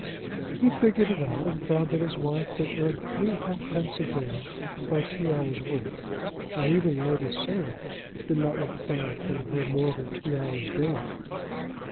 He figured it out, and found that his wife could earn three halfpence a day by two hours' work; and even Lady Sarah did not require from her more than two hours daily.